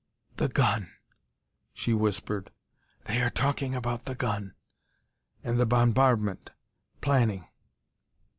"The gun," she whispered; "they are talking about the gun ... and the bombardment ... planning...."